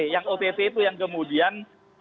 yang otp itu yang kemudian